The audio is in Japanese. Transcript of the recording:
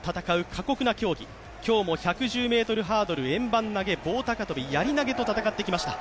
過酷な競技、今日も１１０ｍハードル、円盤投、棒高跳、やり投と戦ってきました。